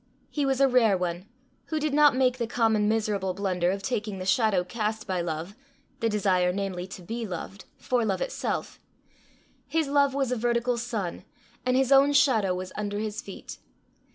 He was a rare one, who did not make the common miserable blunder of taking the shadow cast by love the desire, namely, to be loved for love itself; his love was a vertical sun, and his own shadow was under his feet.